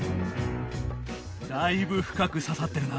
だいぶ深く刺さってるな。